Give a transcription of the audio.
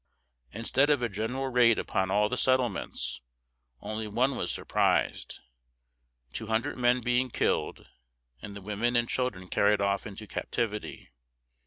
Instead of a general raid upon all the settlements, only one was surprised, two hundred men being killed, and the women and children carried off into captivity.